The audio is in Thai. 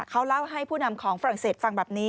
เขาเล่าให้ผู้นำของฝรั่งเศสฟังแบบนี้